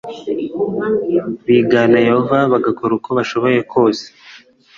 bigana yehova bagakora uko bashoboye kose